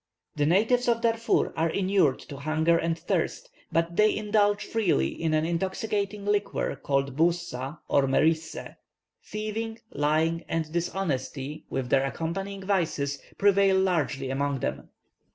The natives of Darfur are inured to hunger and thirst, but they indulge freely in an intoxicating liquor called Bouzza or Merissé. Thieving, lying, and dishonesty, with their accompanying vices, prevail largely among them.